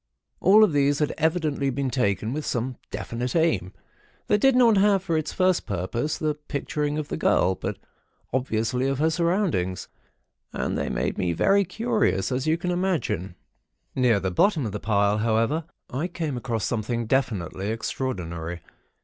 All of these had evidently been taken with some definite aim, that did not have for its first purpose the picturing of the girl, but obviously of her surroundings; and they made me very curious, as you can imagine. Near the bottom of the pile, however, I came upon something definitely extraordinary.